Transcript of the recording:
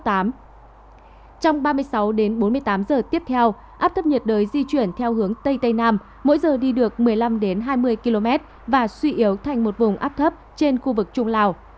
trong ba mươi sáu đến bốn mươi tám giờ tiếp theo áp thấp nhiệt đới di chuyển theo hướng tây tây nam mỗi giờ đi được một mươi năm hai mươi km và suy yếu thành một vùng áp thấp trên khu vực trung lào